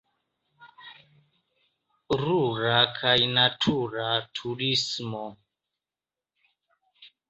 Rura kaj natura turismo.